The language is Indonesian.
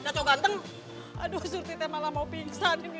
aduh suruh kita malah mau pingsan